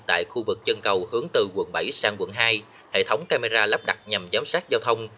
tại khu vực chân cầu hướng từ quận bảy sang quận hai hệ thống camera lắp đặt nhằm giám sát giao thông